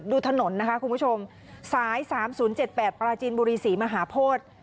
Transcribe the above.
ดูถนนนะคะคุณผู้ชมสาย๓๐๗๘ปราจีนบุรีศรีมหาโพธิ